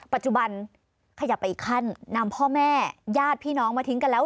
ปัจจุบันขยับไปอีกขั้นนำพ่อแม่ญาติพี่น้องมาทิ้งกันแล้ว